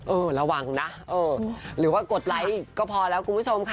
เออระวังนะเออหรือว่ากดไลค์ก็พอแล้วคุณผู้ชมค่ะ